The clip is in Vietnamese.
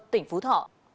tỉnh phú thọ